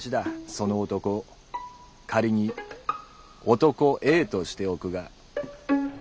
その男仮に「男Ａ」としておくが。